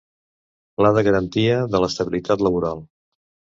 Pla de garantia de l'estabilitat laboral.